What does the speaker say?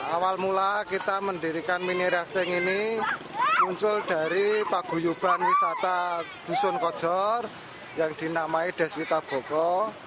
awal mula kita mendirikan mini rafting ini muncul dari paguyuban wisata dusun kocor yang dinamai deswi taboko